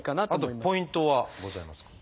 あとポイントはございますか？